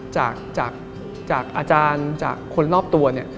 จากอาจารย์จากคนรอบตัว